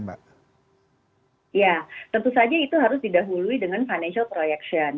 ya tentu saja itu harus didahului dengan financial projection